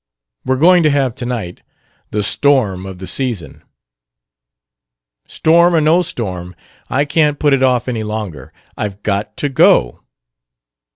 "We're going to have tonight, the storm of the season." "Storm or no storm, I can't put it off any longer. I've got to go."